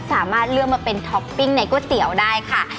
สามารถเลือกมาเป็นท็อปปิ้งในก๋วยเตี๋ยวได้ค่ะ